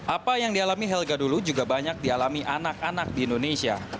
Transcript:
apa yang dialami helga dulu juga banyak dialami anak anak di indonesia